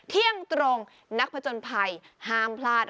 เที่ยงตรงนักผจญภัยห้ามพลาด